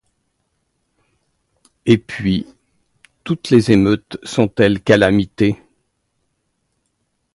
Et puis, toutes les émeutes sont-elles calamités?